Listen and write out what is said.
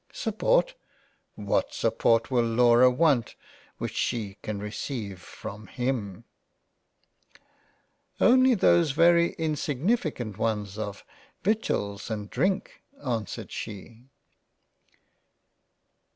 Support ! What support will Laura want which she can receive from him ?"" Only those very insignificant ones of Victuals and Drink." (answered she.)